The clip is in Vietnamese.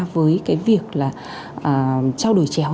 với việc trao đổi chéo